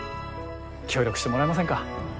協力してもらえませんか？